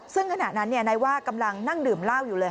ซึ่งขณะนั้นนายว่ากำลังนั่งดื่มเหล้าอยู่เลย